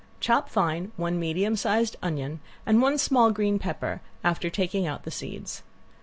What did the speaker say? Chop fine one medium size onion and one small green pepper, after taking out the seeds.